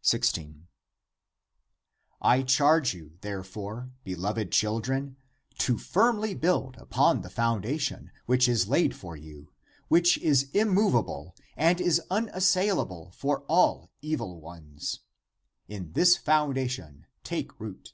16. "I charge you, therefore, beloved children, to firmly build upon the foundation which is laid for you, which is immovable and is unassailable for all evil ones. In this foundation take root.